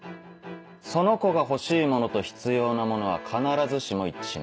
その子が欲しいものと必要なものは必ずしも一致しない。